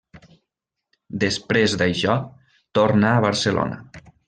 Després d'això, torna a Barcelona.